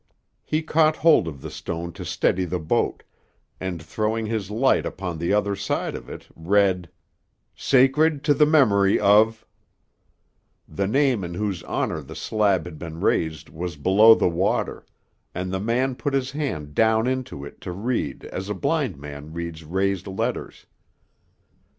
He caught hold of the stone to steady the boat, and, throwing his light upon the other side of it, read: "Sacred to the memory of " The name in whose honor the slab had been raised was below the water, and the man put his hand down into it to read, as a blind man reads raised letters.